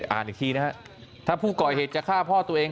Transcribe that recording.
อ่านอีกทีนะฮะถ้าผู้ก่อเหตุจะฆ่าพ่อตัวเอง